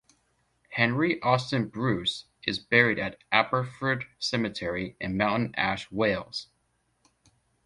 Henry Austin Bruce is buried at Aberffrwd Cemetery in Mountain Ash, Wales.